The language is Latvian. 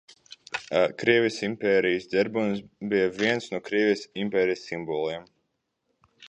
Krievijas Impērijas ģerbonis bija viens no Krievijas Impērijas simboliem.